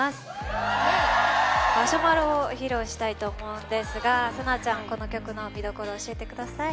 「Ｍａｒｓｈｍａｌｌｏｗ」を披露したいと思うんですがＳＡＮＡちゃん、この曲の見どころを教えてください。